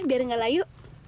biar gak layu